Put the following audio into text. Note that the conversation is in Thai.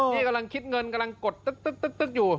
นี่กำลังคิดเงินกำลังกดตึ๊กอยู่